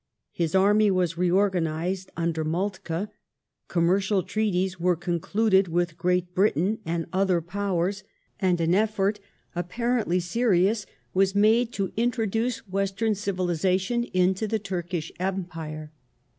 His army was reorganized under Moltke ; commercial treaties were concluded with Great Britain and other Powers, and an effort, 154 THE FOREIGN POLICY OF LORD PALMERSTON [1830 apparcntly serious, was made to introduce Western civilization into the Turkish Empire.